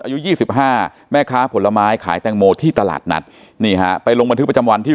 อายุ๒๕แม่ค้าผลไม้ขายแตงโมที่ตลาดนัดนี่ฮะไปลงบันทึกประจำวันที่